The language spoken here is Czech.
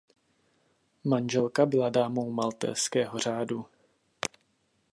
Manželka byla dámou Maltézského řádu.